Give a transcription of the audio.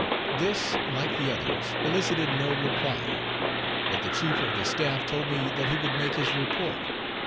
This, like the others, elicited no reply. But the chief of the staff told me that he would make his report.